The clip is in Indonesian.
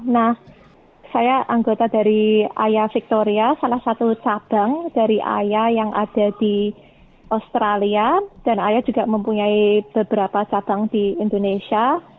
nah saya anggota dari ayah victoria salah satu cabang dari ayah yang ada di australia dan ayah juga mempunyai beberapa cabang di indonesia